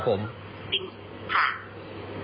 แล้วที่มอบให้ญาติเค้า